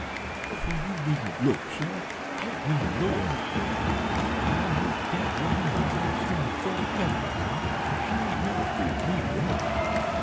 "Oh, you needn't look, suh! I ain't meanin' no onrespect, but I knowed dat woman when Marse Henry fust married her, an' she ain't never fooled me once.